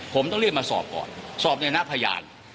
ผมต้องเรียกมาสอบก่อนสอบในหน้าพยาน